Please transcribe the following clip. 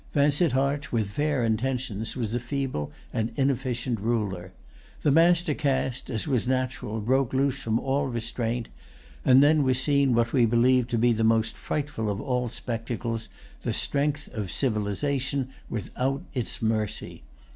Vansittart, with fair intentions, was a feeble and inefficient ruler. The master caste, as was natural, broke loose from all restraint; and then was seen what we believe to be the most frightful of all spectacles, the strength of civilization without its mercy.